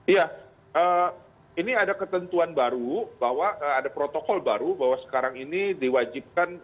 iya ini ada ketentuan baru bahwa ada protokol baru bahwa sekarang ini diwajibkan